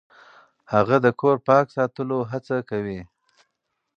هغه د کور پاک ساتلو هڅه کوي.